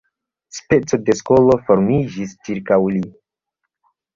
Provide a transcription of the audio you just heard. Speco de skolo formiĝis ĉirkaŭ li.